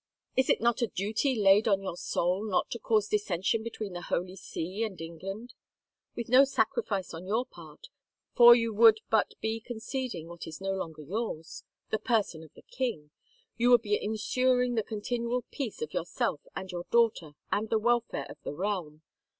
Is it not a duty laid on your soul not to cause dissension between the Holy See and England ? With no sacrifice on your part, for you would but be conceding what is no longer yours, the person of the king, you would be ensuring the continual peace of yourself and your daughter and the welfare of the realm.